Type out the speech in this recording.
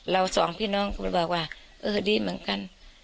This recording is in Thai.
สองพี่น้องก็เลยบอกว่าเออดีเหมือนกัน